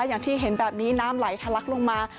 อย่างที่เห็นแบบนี้น้ำไหลทะลักลงมา